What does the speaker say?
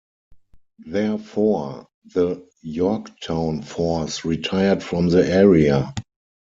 Therefore, the "Yorktown" force retired from the area.